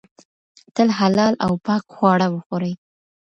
تل حلال او پاک خواړه وخورئ.